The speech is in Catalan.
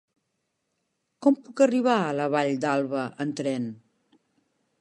Com puc arribar a la Vall d'Alba amb tren?